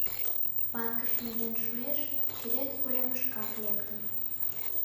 Банкыш миен шуэш — черет уремышкат лектын.